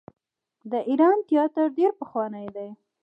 د ایران تیاتر ډیر پخوانی دی.